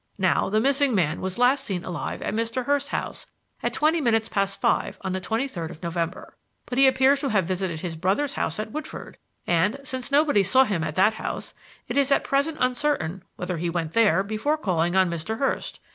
Now, the missing man was last seen alive at Mr. Hurst's house at twenty minutes past five on the twenty third of November. But he appears to have visited his brother's house at Woodford, and, since nobody saw him at that house, it is at present uncertain whether he went there before calling on Mr. Hurst.